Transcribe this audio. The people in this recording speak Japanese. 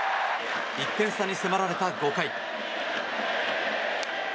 １点差に迫られた５回。